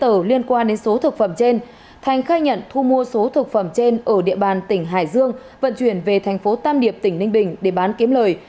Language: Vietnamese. tờ liên quan đến số thực phẩm trên thành khai nhận thu mua số thực phẩm trên ở địa bàn tỉnh hải dương vận chuyển về thành phố tam điệp tỉnh ninh bình để bán kiếm lời